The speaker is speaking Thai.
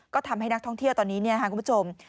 ก็ทำให้นักท่องเที่ยวตอนนี้คุณผู้ชม